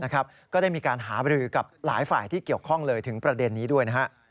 ก็ได้มีการหาบรือกับหลายฝ่ายที่เกี่ยวข้องเลยถึงประเด็นนี้ด้วยนะครับ